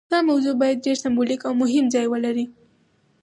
دا موضوع باید ډیر سمبولیک او مهم ځای ولري.